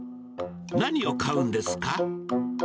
何を買うんですか？